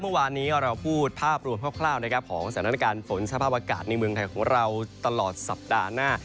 เมื่อวานนี้เราพูดภาพรวมคร่าวนะครับของสถานการณ์ฝนสภาพอากาศในเมืองไทยของเราตลอดสัปดาห์หน้า